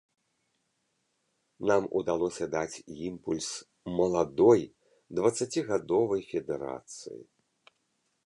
Нам удалося даць імпульс маладой дваццацігадовай федэрацыі.